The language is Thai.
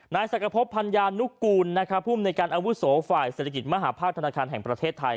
นายสักพบพันยานุกูลภูมิในการอาวุโสฝ่ายเศรษฐกิจมหาภาคธนาคารแห่งประเทศไทย